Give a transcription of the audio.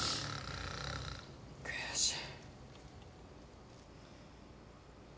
悔しい。